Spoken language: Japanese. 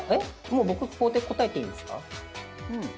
もう僕ここで答えていいんですか？